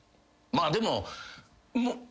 まあでも。